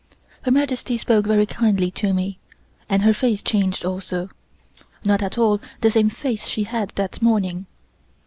Her Majesty spoke very kindly to me, and her face changed also not at all the same face she had that morning.